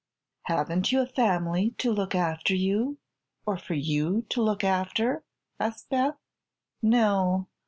"Haven't you a family to look after you or for you to look after?" asked Beth. "No.